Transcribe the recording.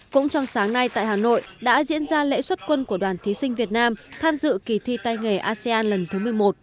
cũng trong sáng nay tại hà nội đã diễn ra lễ xuất quân của đoàn thí sinh việt nam tham dự kỳ thi tay nghề asean lần thứ một mươi một